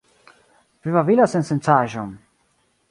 Vi babilas sensencaĵon!